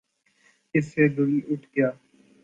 اس سے دل اٹھ گیا۔